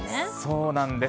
そうなんです。